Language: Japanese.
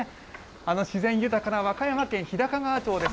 自然豊かな和歌山県日高川町です。